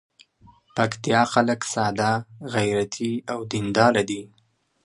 پکتیکا خلک ساده، غیرتي او دین دار دي.